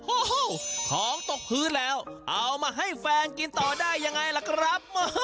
โอ้โหของตกพื้นแล้วเอามาให้แฟนกินต่อได้ยังไงล่ะครับ